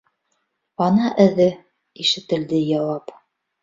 Ана эҙе... — ишетелде яуап.